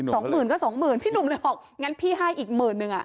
สองหมื่นก็สองหมื่นพี่หนุ่มเลยบอกงั้นพี่ให้อีกหมื่นนึงอ่ะ